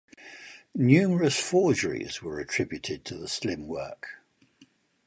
Numerous forgeries were attributed to the slim work.